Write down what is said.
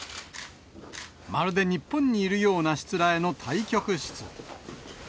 まるで日本にいるようなしつらえの対局室。